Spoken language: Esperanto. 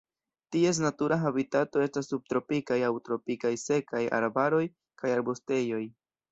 Ties natura habitato estas subtropikaj aŭ tropikaj sekaj arbaroj kaj arbustejoj.